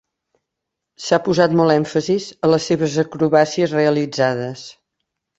S"ha posat molt èmfasis a les acrobàcies realitzades.